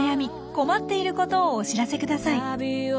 困っていることをお知らせください。